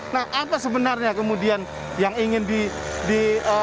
nah apa sebenarnya kemudian yang ingin di